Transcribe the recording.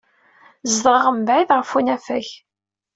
Zedɣeɣ mebɛid ɣef unafag.